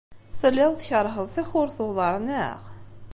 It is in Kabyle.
Telliḍ tkeṛheḍ takurt n uḍar, naɣ?